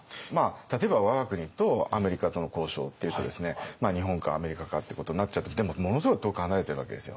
例えば我が国とアメリカとの交渉っていうとですね日本かアメリカかってことになっちゃってでもものすごい遠く離れてるわけですよ。